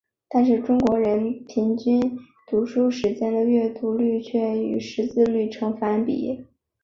但是中国的人均读书时间的阅读率却与识字率呈反比。